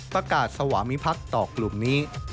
ประกาศสวามิพักษ์ต่อกลุ่มนี้